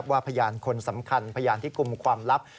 พยานคนสำคัญพยานที่กลุ่มความลับ